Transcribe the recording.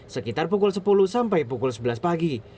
sekitar pukul sepuluh sampai pukul sebelas pagi